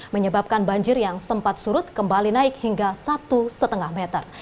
menyebabkan banjir yang sempat surut kembali naik hingga satu lima meter